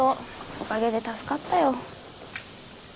おかげで助かったよ。